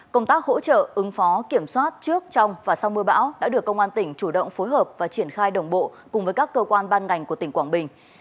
công tác hỗ trợ ứng phó kiểm soát trước trong và sau mưa bão đã được công an tỉnh chủ động phối hợp và triển khai đồng bộ cùng với các cơ quan ban ngành của tỉnh quảng bình